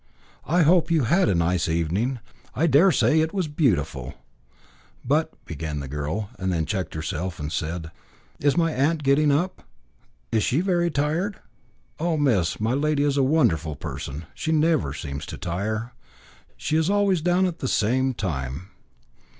"I hope you had a nice evening. I dare say it was beautiful." "But," began the girl, then checked herself, and said "Is my aunt getting up? Is she very tired?" "Oh, miss, my lady is a wonderful person; she never seems to tire. She is always down at the same time."